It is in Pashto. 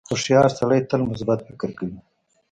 • هوښیار سړی تل مثبت فکر کوي.